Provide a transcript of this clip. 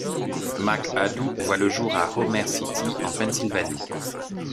McAdoo voit le jour à Homer City en Pennsylvanie.